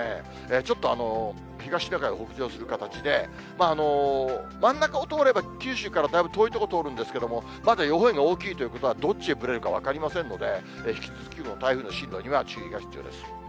ちょっと東シナ海を北上する形で、真ん中を通れば、九州からだいぶ遠い所、通るんですけど、まだ予報円が大きいということは、どっちにぶれるか分かりませんので、引き続き台風の進路には注意が必要です。